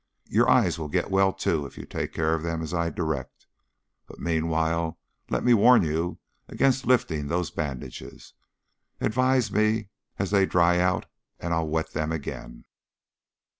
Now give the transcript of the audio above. Your eyes will get well, too, if you take care of them as I direct. But, meanwhile, let me warn you against lifting those bandages. Advise me as they dry out and I'll wet them again."